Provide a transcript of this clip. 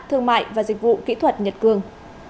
thương mại và dịch vụ kỹ thuật nhật cương